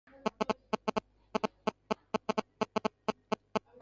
ہوائی جہاز نے اڑان بھری